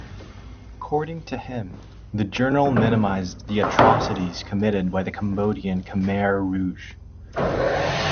According to him, the journal minimized the atrocities committed by the Cambodian Khmer Rouge.